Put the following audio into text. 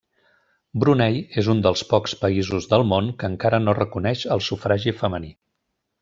Brunei és un dels pocs països del món que encara no reconeix el sufragi femení.